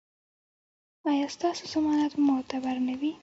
ایا ستاسو ضمانت به معتبر نه وي؟